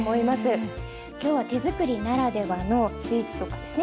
今日は手づくりならではのスイーツとかですね